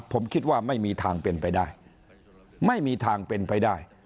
ผมคิดว่าไม่มีทางเป็นไปได้ไม่มีทางเป็นไปได้